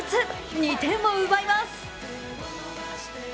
２点を奪います。